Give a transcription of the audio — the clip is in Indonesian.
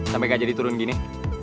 sampai gak jadi turun gini